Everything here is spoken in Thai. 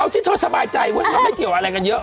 เอาที่เธอสบายใจเว้ยวันนี้ไม่เกี่ยวกันเยอะ